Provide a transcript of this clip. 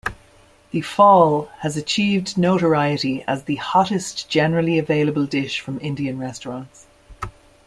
The phall has achieved notoriety as the hottest generally available dish from Indian restaurants.